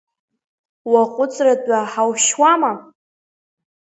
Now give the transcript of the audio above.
Уаҟәыҵратәы ҳаушьуама?!